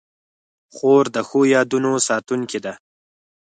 خور د ښو یادونو ساتونکې ده.